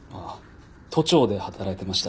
都庁で働いてました。